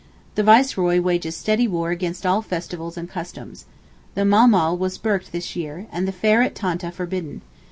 The Viceroy wages steady war against all festivals and customs. The Mahmal was burked this year, and the fair at Tantah forbidden.